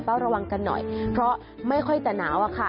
ระวังกันหน่อยเพราะไม่ค่อยแต่หนาวอะค่ะ